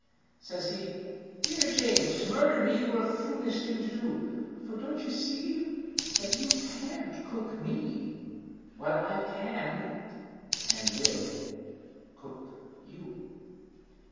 "Says he, 'Dear James, to murder me Were a foolish thing to do, For don't you see that you can't cook me, While I can and will cook you!'